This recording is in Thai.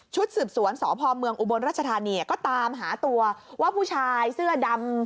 สืบสวนสพเมืองอุบลรัชธานีก็ตามหาตัวว่าผู้ชายเสื้อดำ